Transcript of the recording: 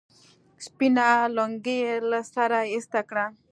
سپينه لونگۍ يې له سره ايسته کړه.